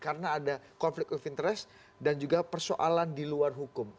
karena ada konflik of interest dan juga persoalan di luar hukum